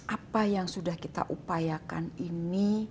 apa yang sudah kita upayakan ini